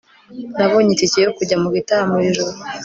nabonye itike yo kujya mu gitaramo iri joro